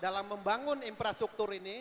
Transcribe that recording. dalam membangun infrastruktur ini